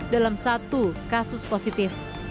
dalam satu kasus positif